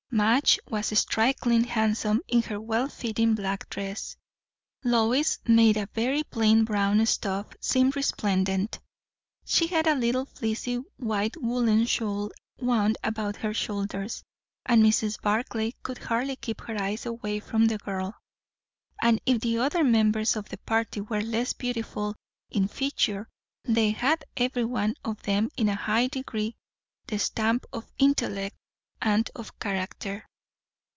Madge was strikingly handsome in her well fitting black dress; Lois made a very plain brown stuff seem resplendent; she had a little fleecy white woollen shawl wound about her shoulders, and Mrs. Barclay could hardly keep her eyes away from the girl. And if the other members of the party were less beautiful in feature, they had every one of them in a high degree the stamp of intellect and of character.